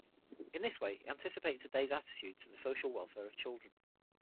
In this way he anticipated today's attitude to the social welfare of children.